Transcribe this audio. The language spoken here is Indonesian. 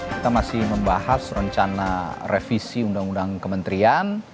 kita masih membahas rencana revisi undang undang kementerian